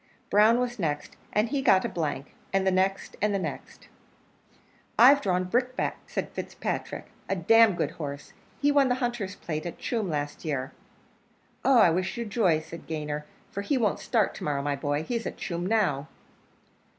Brown was next, and he got a blank; and the next, and the next. "I've drawn Brickbat," said Fitzpatrick, "a d d good horse; he won the hunters' plate at Tuam last year." "Oh! I wish you joy," said Gayner, "for he won't start to morrow, my boy: he's at Tuam now."